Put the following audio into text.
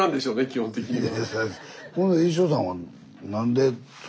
基本的には。